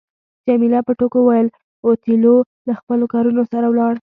جميله په ټوکو وویل اوتیلو له خپلو کارونو سره ولاړ.